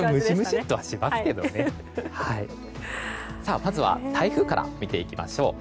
まずは台風から見ていきましょう。